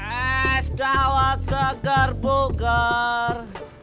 es dawet segar bugar